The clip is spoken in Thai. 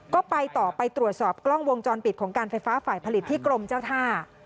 ก็ไปต่อไปตรวจสอบกล้องวงจรปิดของการไฟฟ้าฝ่ายผลิตที่กรมเจ้าท่า